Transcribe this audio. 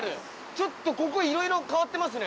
ちょっとここいろいろ変わってますね。